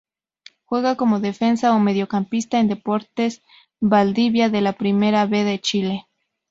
Juega como defensa o mediocampista en Deportes Valdivia de la Primera B de Chile.